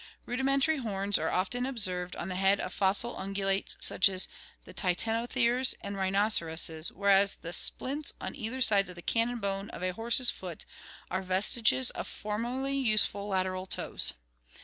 Rudimentary horns are often observed on the head of fossil ungulates such as titanotheres and rhinoceroses, whereas the splints on either side of the cannon bone of a horse's foot are vestiges of formerly useful lateral toes.